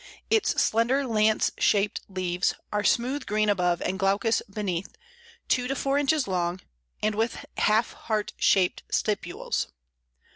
Its slender lance shaped leaves are smooth green above and glaucous beneath, two to four inches long, and with half heart shaped stipules.